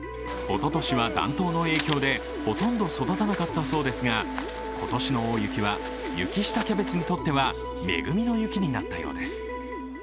おととしは暖冬の影響でほとんど育たなかったそうですが、今年の大雪は雪下キャベツにとっては恵みの雪になったようです。